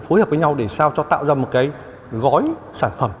phối hợp với nhau để sao cho tạo ra một cái gói sản phẩm